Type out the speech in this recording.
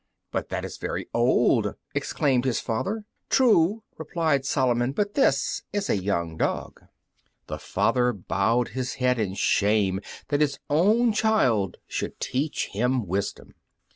"But that is very old," exclaimed his father. "True," replied Solomon, "but this is a young dog." Then his father bowed his head in shame that his own child should teach him wisdom.